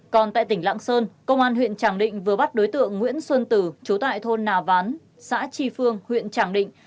còn tại tỉnh lạng sơn công an huyện tràng định vừa bắt đối tượng nguyễn xuân tử chú tại thôn nà ván xã tri phương huyện tràng định